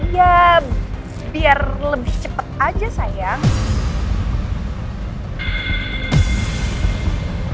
ya biar lebih cepat aja sayang